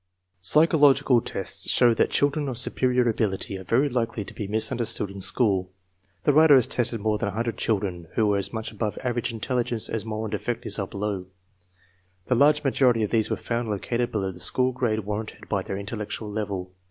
Psychological tests show that children of superior abil ity are very likely to be misunderstood in school. The writer has tested more than a hundred children who were as much above average intelligence as moron defectives are below. The large majority of these were found located below the school grade warranted by their intellectual level.